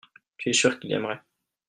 tu es sûr qu'il aimerait.